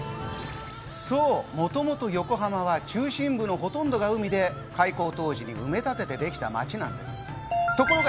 もともと横浜は中心部のほとんどが海で開港当時に埋め立ててできた街なんです。